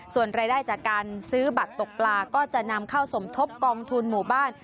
ส่วนรายได้จากการซื้อบัตรตกปลาก็จะนำเข้าสมทบกองทุนหมู่บ้าน